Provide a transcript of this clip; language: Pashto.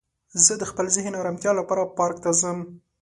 زه د خپل ذهن ارامتیا لپاره پارک ته ځم